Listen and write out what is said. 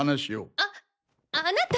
ああなた！！